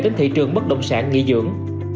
đến thị trường bất động sản nghỉ dưỡng